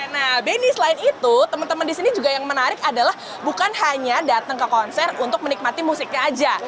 nah benny selain itu teman teman di sini juga yang menarik adalah bukan hanya datang ke konser untuk menikmati musiknya aja